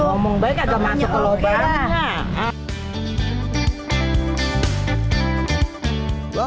ngomong baik aja masuk ke lobar